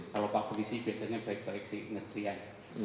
kalau pak polisi biasanya baik baik sih ngerjian